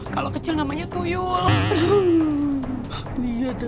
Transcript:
kalau kecil namanya tuyul